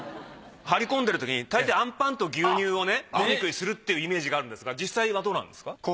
張り込んでるときに大抵あんパンと牛乳をね飲み食いするっていうイメージがあるんですが実際はどうなんですか？